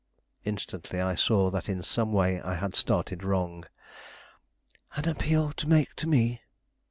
Instantly I saw that in some way I had started wrong. "An appeal to make to me?"